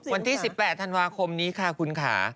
วันที่๑๘ธันวาคมนี้ค่ะคุณค่ะ